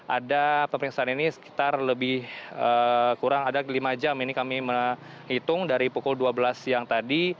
ada pemeriksaan ini sekitar lebih kurang ada lima jam ini kami menghitung dari pukul dua belas siang tadi